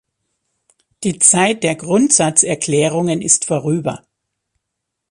Die Zeit der Grundsatzerklärungen ist vorüber.